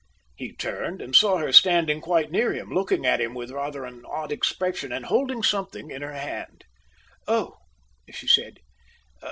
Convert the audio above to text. He turned, and saw her standing quite near him, looking at him with rather an odd expression, and holding something in her hand. "Oh!" she said.